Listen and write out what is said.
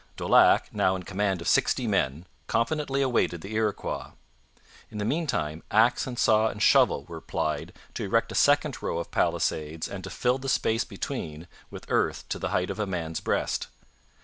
Daulac, now in command of sixty men, confidently awaited the Iroquois. In the meantime axe and saw and shovel were plied to erect a second row of palisades and to fill the space between with earth to the height of a man's breast.